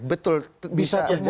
betul bisa terjadi